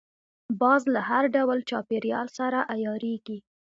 باز له هر ډول چاپېریال سره عیارېږي